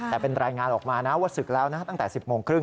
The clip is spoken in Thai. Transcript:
แต่เป็นรายงานออกมานะว่าศึกแล้วนะตั้งแต่๑๐โมงครึ่ง